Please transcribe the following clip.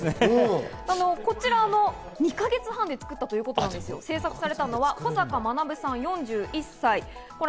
こちら２か月半で作ったということで、制作されたのは小坂学さん、４１歳。